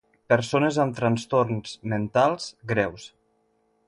Persones amb trastorns mentals greus.